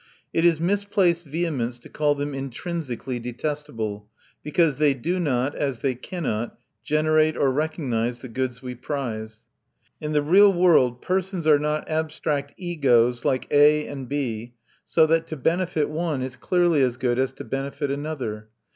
It is misplaced vehemence to call them intrinsically detestable, because they do not (as they cannot) generate or recognise the goods we prize. In the real world, persons are not abstract egos, like A and B, so that to benefit one is clearly as good as to benefit another.